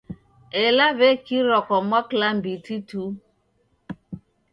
Ela w'ekirwa kwa mwaklambiti tu.